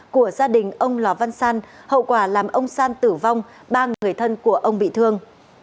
của gia đình ông lò văn san hậu quả làm ông san tử vong ba người thân của ông bị thương